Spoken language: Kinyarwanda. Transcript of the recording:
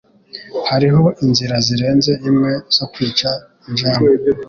Hariho inzira zirenze imwe zo kwica injangwe.